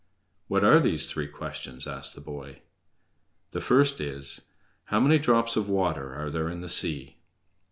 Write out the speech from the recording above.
"What are these three questions?" asked the boy. "The first is, How many drops of water are there in the sea?"